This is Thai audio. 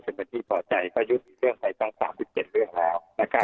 เป็นบัตรที่ปลอดใจก็ยุ่นไปตั้ง๓๗เรื่องแล้ว